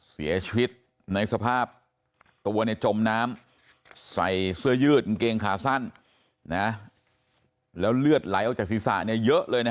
เสียชีวิตในสภาพตัวในจมน้ำใส่เสื้อยืดเงงขาสั้นนะครับ